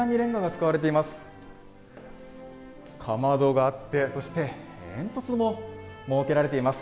かまどがあって、そして煙突も設けられています。